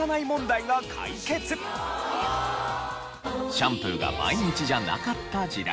シャンプーが毎日じゃなかった時代。